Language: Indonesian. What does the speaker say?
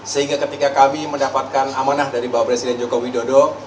sehingga ketika kami mendapatkan amanah dari bapak presiden joko widodo